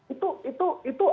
itu itu itu